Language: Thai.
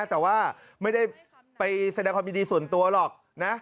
แต่ว่าไม่ได้ไปแสดงความยินดีส่วนตัวหรอกนะ